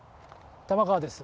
玉川です。